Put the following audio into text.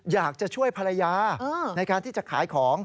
อยากจะช่วยภรรยาในการที่จะขายของ